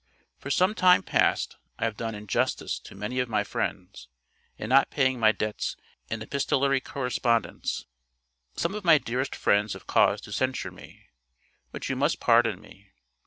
For some time past I have done injustice to many of my friends, in not paying my debts in epistolary correspondence. Some of my dearest friends have cause to censure me. But you must pardon me.